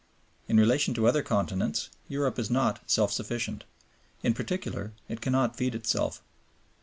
In relation to other continents Europe is not self sufficient; in particular it cannot feed Itself.